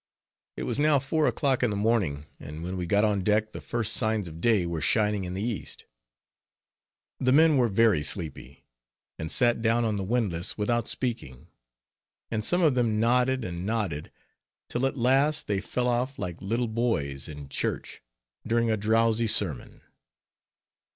It was now four o'clock in the morning, and when we got on deck the first signs of day were shining in the east. The men were very sleepy, and sat down on the windlass without speaking, and some of them nodded and nodded, till at last they fell off like little boys in church during a drowsy sermon.